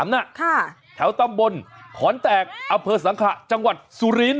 ค่ะแถวตำบลขอนแตกอเผิดสังขะจังหวัดสุรินทร์